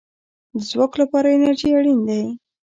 د ځواک لپاره انرژي اړین ده